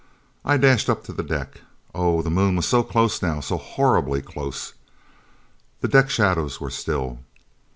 I dashed up to the deck. Oh, the Moon was so close now! So horribly close! The deck shadows were still.